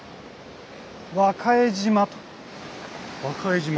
和賀江島？